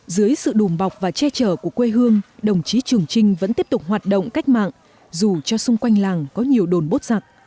dưới sự đùm bọc và che chở của quê hương đồng chí trường trinh vẫn tiếp tục hoạt động cách mạng dù cho xung quanh làng có nhiều đồn bốt giặc